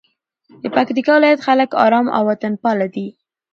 د پکتیکا ولایت خلک آرام او وطنپاله دي.